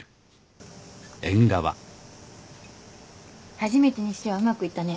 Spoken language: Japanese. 初めてにしてはうまくいったね。